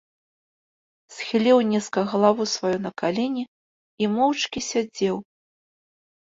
Схіліў нізка галаву сваю на калені і моўчкі сядзеў.